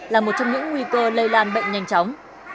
là một trong những nguy cơ lây lan bệnh nhanh chóng